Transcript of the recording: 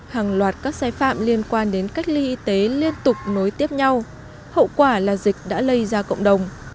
hàng loạt các sai phạm liên quan đến cách ly y tế liên tục nối tiếp nhau hậu quả là dịch đã lây ra cộng đồng